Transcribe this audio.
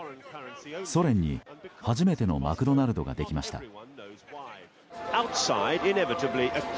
ソ連に初めてのマクドナルドができました。